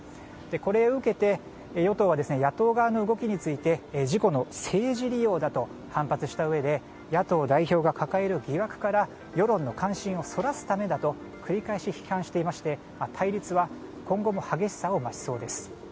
これを受けて与党は野党側の動きについて事故の政治利用だと反発したうえで野党代表が抱える疑惑から世論の関心をそらすためだと繰り返し批判していまして対立は今後も激しさを増すそうです。